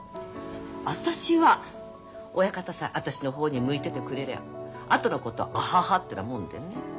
私は親方さえ私の方に向いててくれりゃあとのことは「アハハ」ってなもんでね。